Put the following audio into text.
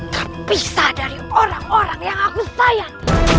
terpisah dari orang orang yang aku sayang